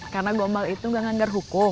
karena gombal itu gak menganggar hukum